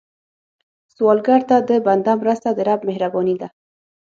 سوالګر ته د بنده مرسته، د رب مهرباني ده